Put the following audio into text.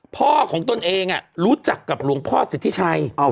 พ่อของตนเองรู้จักกับหลวงพ่อสิทธิชัย